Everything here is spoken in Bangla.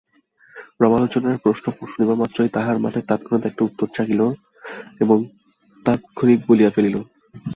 রামলোচনের প্রশ্ন শুনিবামাত্র তাহার মাথায় তৎক্ষণাৎ একটা উত্তর জোগাইল এবং তৎক্ষণাৎ বলিয়া ফেলিল।